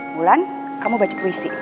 mulan kamu baca puisi